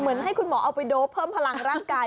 ให้คุณหมอเอาไปโดปเพิ่มพลังร่างกาย